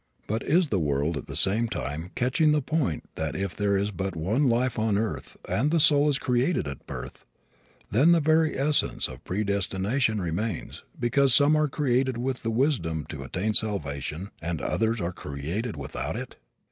But is the world at the same time catching the point that if there is but one life on earth and the soul is created at birth, then the very essence of predestination remains, because some are created with the wisdom to attain salvation and others are created without it?